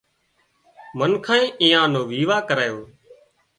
منکانئي ايئان نو ويوا ڪرايو